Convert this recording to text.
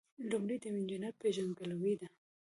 لومړی د یو انجینر پیژندګلوي ده.